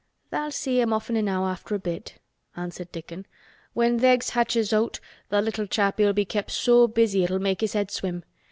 "Tha'll see him often enow after a bit," answered Dickon. "When th' eggs hatches out th' little chap he'll be kep' so busy it'll make his head swim.